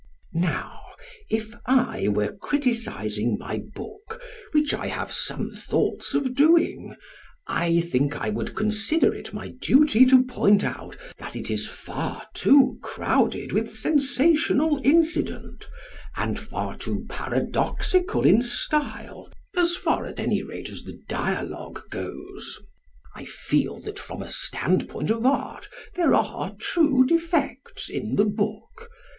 Now, if I were criticising my book, which I have some thoughts of doing, I think I would consider it my duty to point out that it is far too crowded with sensational incident, and far too paradoxical in style, as far, at any rate, as the dialogue goes. I feel that from a standpoint of art there are true defects in the book.